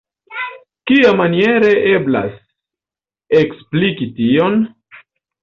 Kiamaniere eblas ekspliki tion?